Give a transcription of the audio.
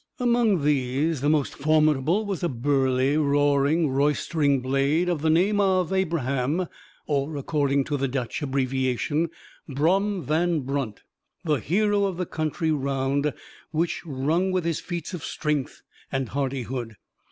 Among these, the most formidable was a burly, roaring, roistering blade, of the name of Abraham, or, according to the Dutch abbreviation, Brom Van Brunt, the hero of the country round, which rung with his feats of strength and hardihood.